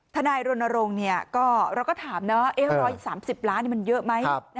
ทนายรณรงค์เราก็ถาม๑๓๐ล้านมันเยอะไหม